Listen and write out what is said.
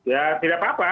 ya tidak apa apa